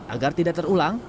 agar tidak terulang